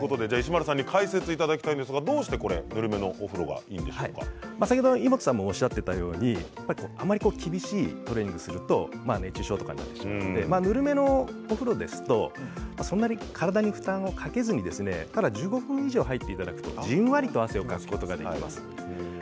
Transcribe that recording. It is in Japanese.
どうしてこれぬるめのお風呂がイモトさんもおっしゃっていたようにあまり厳しいトレーニングをすると熱中症とかになってしまってぬるめのお風呂ですとそんなに体に負担をかけずにただ１５分以上入っていただくとじんわりと汗をかくことができます。